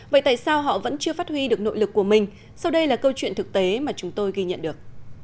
vậy tại sao họ vẫn chưa phát huy được nội lực của mình sau đây là câu chuyện thực tế mà chúng tôi ghi nhận được